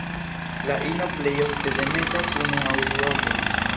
La ino plej ofte demetas unu aŭ du ovojn.